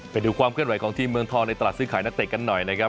ไปดูความเคลื่อนไหวของทีมเมืองทองในตลาดซื้อขายนักเตะกันหน่อยนะครับ